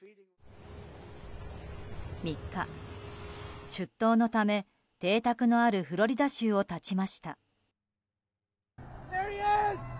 ３日、出頭のため邸宅のあるフロリダ州を発ちました。